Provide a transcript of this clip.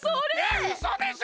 えっうそでしょ！？